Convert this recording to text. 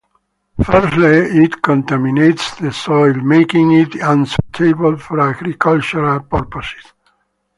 Firstly, it contaminates the soil, making it unsuitable for agricultural purposes.